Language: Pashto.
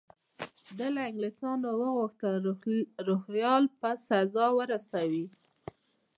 ده له انګلیسیانو وغوښتل روهیله په سزا ورسوي.